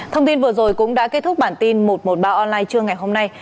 thông tin vừa rồi cũng đã kết thúc bản tin một trăm một mươi ba online trưa ngày hôm nay